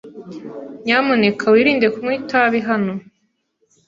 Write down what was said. Nyamuneka wirinde kunywa itabi hano.